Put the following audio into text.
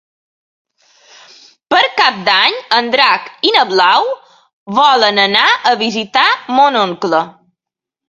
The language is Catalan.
Per Cap d'Any en Drac i na Blau volen anar a visitar mon oncle.